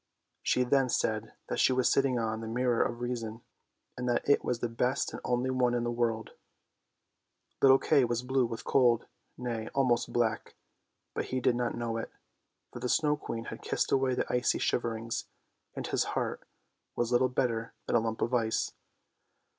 She then said that she was sitting on " The Mirror of Reason," and that it was the best and only one in the world. THE SNOW QUEEN 213 Little Kay was blue with cold, nay, almost black ; but he did not know it, for the Snow Queen had kissed away the icy shiver ings, and his heart was little better than a lump of ice.